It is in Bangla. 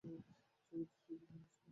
চোখের দৃষ্টিও ফিরিয়ে নিচ্ছে না।